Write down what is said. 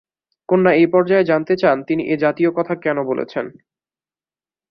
কন্যা এই পর্যায়ে জানতে চান, তিনি এ-জাতীয় কথা কেন বলছেন।